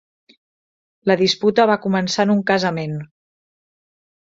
La disputa va començar en un casament